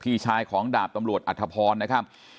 พี่ชายของดาบตำรวจอัธพรนะครับ